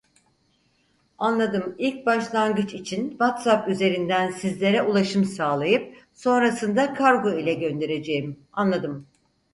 Anladım ilk başlangıç için Whatsapp üzerinden sizlere ulaşım sağlayıp sonrasında kargo ile göndereceğim anladım